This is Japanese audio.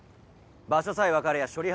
場所さえ分かりゃ処理